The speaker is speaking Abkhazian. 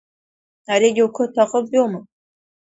Аригьы уқыҭа аҟынтәиума?